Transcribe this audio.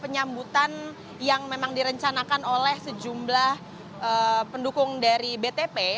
penyambutan yang memang direncanakan oleh sejumlah pendukung dari btp